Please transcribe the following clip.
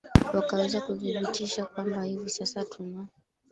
wakaweza kudhibitisha kwamba hivi sasa tuna